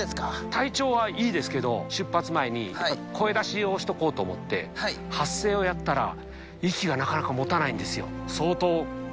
体調はいいですけど、出発前に、やっぱり声出しをしとこうと思って、発声をやったら、息がなかなかもたないんですよ。